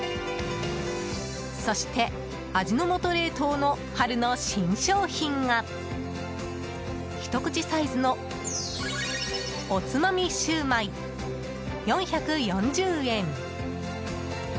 そして、味の素冷凍の春の新商品がひと口サイズのおつまみ焼売４４０円。